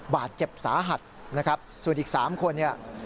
บาดเจ็บสาหัสนะครับส่วนอีก๓คนเนี่ย